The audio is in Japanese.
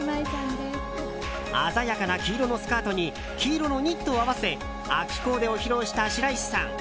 鮮やかな黄色のスカートに黄色のニットを合わせ秋コーデを披露した白石さん。